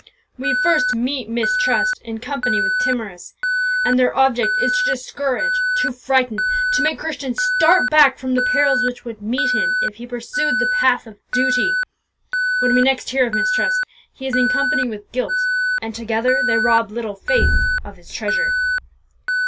"We first meet Mistrust in company with Timorous, and their object is to discourage, to frighten, to make Christian start back from the perils which would meet him if he pursued the path of duty; when we next hear of Mistrust, he is in company with Guilt, and together they rob Little faith of his treasure."